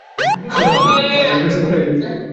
আনবু, shorts পরা ওই লোকটি কে?